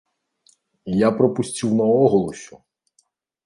Я прапусціў наогул усё!